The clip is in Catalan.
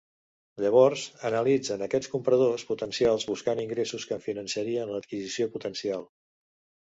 Llavors, analitzen aquests compradors potencials buscant ingressos que finançarien l'adquisició potencial.